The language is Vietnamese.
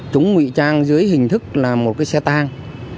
chúng ngụy trang dưới hình thức là một cái xe tang